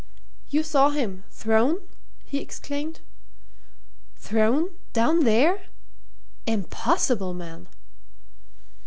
"You saw him thrown!" he exclaimed. "Thrown down there? Impossible, man!"